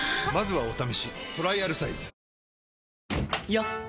よっ！